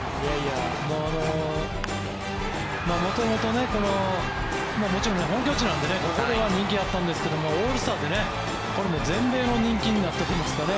元々、もちろん本拠地なのでここでは人気だったんですけどオールスターで全米の人気になってますからね